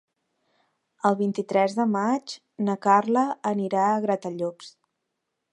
El vint-i-tres de maig na Carla anirà a Gratallops.